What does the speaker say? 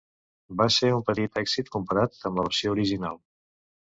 Va ser un petit èxit comparat amb la versió original.